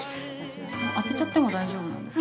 ◆開けちゃっても大丈夫なんですか。